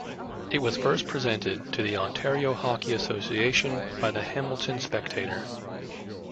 It was first presented to the Ontario Hockey Association by "The Hamilton Spectator".